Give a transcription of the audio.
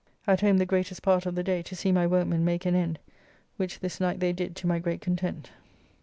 At home the greatest part of the day to see my workmen make an end, which this night they did to my great content.